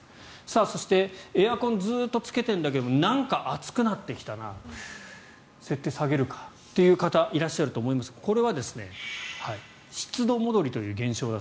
そして、エアコンずっとつけているんだけどなんか暑くなってきたな設定を下げるかという方いらっしゃると思いますがこれは湿度戻りという現象。